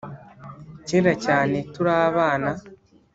Kera cyane turi abana